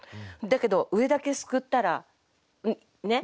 だけど上だけ掬ったらね？